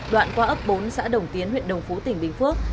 đoạn qua ấp bốn xã đồng tiến huyện đồng phú tỉnh bình phước